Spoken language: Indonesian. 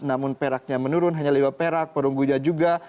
namun peraknya menurun hanya lima perak perunggunya juga